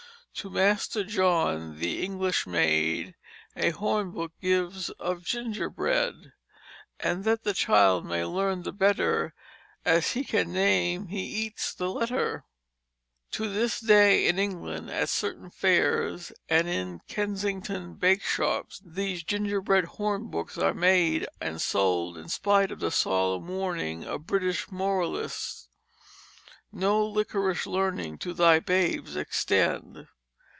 "To master John the English maid A horn book gives of gingerbread; And that the child may learn the better, As he can name, he eats the letter." To this day in England, at certain Fairs and in Kensington bake shops, these gingerbread hornbooks are made and sold in spite of the solemn warning of British moralists "No liquorish learning to thy babes extend."